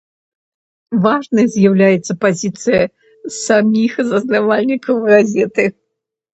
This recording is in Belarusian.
Важнай з'яўляецца пазіцыя саміх заснавальнікаў газеты.